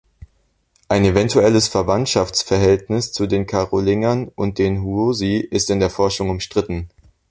Ein eventuelles Verwandtschaftsverhältnis zu den Karolingern und den Huosi ist in der Forschung umstritten.